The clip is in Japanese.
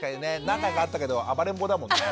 何回か会ったけど暴れん坊だもんね。